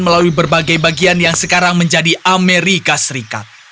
melalui berbagai bagian yang sekarang menjadi amerika serikat